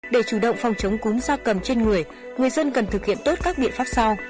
để chủ động phòng chống cúm gia cầm trên người người dân cần thực hiện tốt các biện pháp sau